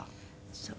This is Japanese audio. そう。